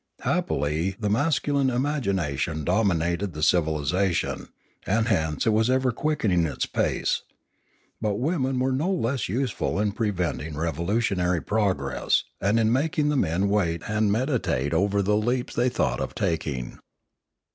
Happily the masculine imagination dominated the civilisation, and hence it was ever quickening its pace. But the women were no less useful in preventing revo lutionary progress, and in making the men wait and meditate over the leaps they thought of taking.